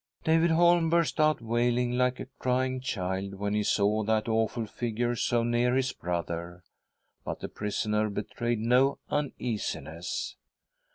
David Holm burst out wailing like a crying child when he saw that awful figure so near his brother, but the prisoner betrayed no uneasiness.